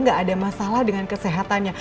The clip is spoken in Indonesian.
gak ada masalah dengan kesehatannya